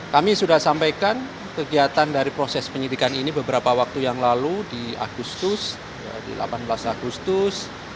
kami sudah sampaikan kegiatan dari proses penyidikan ini beberapa waktu yang lalu di agustus di delapan belas agustus